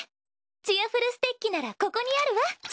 チアふるステッキならここにあるわ。